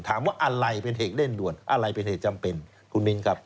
ถามว่าอะไรเป็นเหตุเร่งด่วนอะไรเป็นเหตุจำเป็นคุณมินครับ